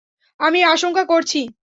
আমি আশংকা করছি!